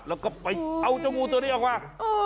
แล้วก็ไปเอาเจ้างูตัวนี้ออกมา